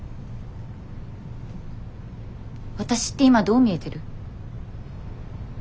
わたしって今どう見えてる？